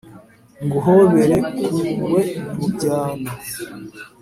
Nguhobere nkugwe mu byano